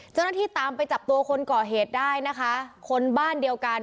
เจ้าหน้าที่ตามไปจับตัวคนก่อเหตุได้นะคะคนบ้านเดียวกัน